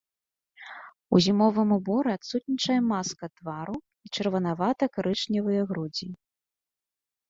У зімовым уборы адсутнічае маска твару і чырванавата-карычневая грудзі.